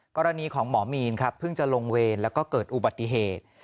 กรณีของหมอมีนครับเพิ่งจะลงเวรแล้วก็เกิดอุบัติเหตุ